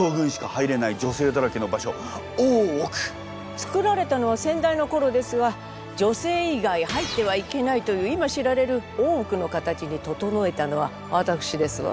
つくられたのは先代の頃ですが女性以外入ってはいけないという今知られる大奥の形に整えたのはわたくしですわ。